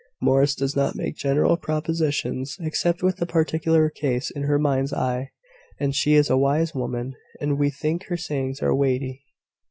Morris does not make general propositions, except with a particular case in her mind's eye; and she is a wise woman; and we think her sayings are weighty."